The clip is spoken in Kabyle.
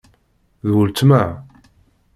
D weltma.